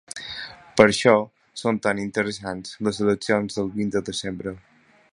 Per això són tan interessants les eleccions del vint de desembre.